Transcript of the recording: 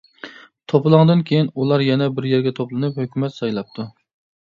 توپىلاڭدىن كېيىن، ئۇلار يەنە بىر يەرگە توپلىنىپ ھۆكۈمەت سايلاپتۇ.